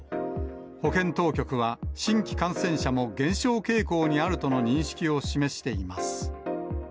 保健当局は、新規感染者も減少傾向にあるとの認識を示しています。